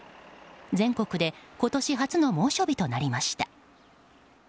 全国で今年初の猛暑日となりました。